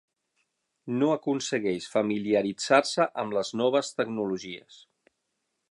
No aconsegueix familiaritzar-se amb les noves tecnologies.